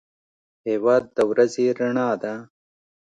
هېواد د ورځې رڼا ده.